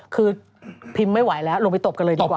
คือพิมพ์ไม่ไหวแล้วลงไปตบกันเลยดีกว่า